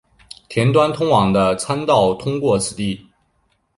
田端通往的参道通过此地。